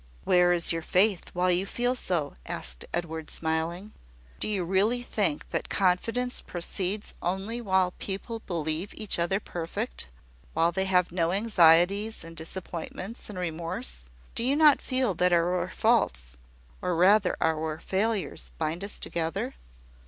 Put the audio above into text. "Where is your faith, while you feel so?" asked Edward, smiling. "Do you really think that confidence proceeds only while people believe each other perfect, while they have not anxieties, and disappointments, and remorse? Do you not feel that our faults, or rather our failures, bind us together?"